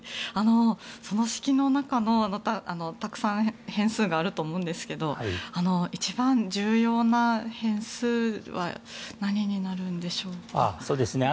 その式の中のたくさん変数があると思うんですけど一番重要な変数は何になるんでしょうか。